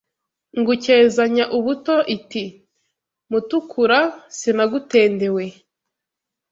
Ngukezanya-ubuto Iti: Mutukura sinagutendewe